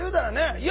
いや